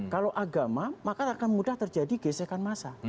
kalau agama maka akan mudah terjadi gesekan massa